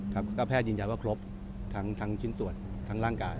ครับก็แพทย์ยืนยันว่าครบทั้งชิ้นส่วนทั้งร่างกาย